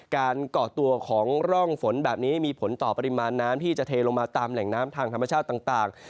เกาะตัวของร่องฝนแบบนี้มีผลต่อปริมาณน้ำที่จะเทลงมาตามแหล่งน้ำทางธรรมชาติต่าง